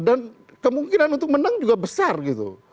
dan kemungkinan untuk menang juga besar gitu